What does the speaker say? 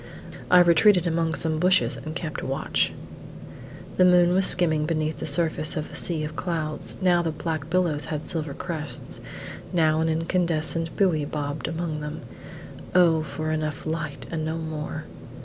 I retreated among some bushes and kept watch. The moon was skimming beneath the surface of a sea of clouds: now the black billows had silver crests: now an incandescent buoy bobbed among them. O for enough light, and no more!